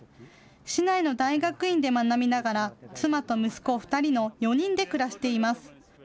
市内の大学院で学びながら妻と息子２人の４人で暮らしています。